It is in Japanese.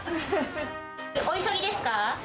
お急ぎですか？